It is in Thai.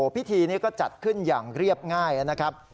พิธีนี้ก็จัดขึ้นอย่างเรียบง่ายนะครับ